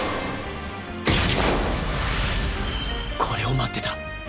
これを待ってた！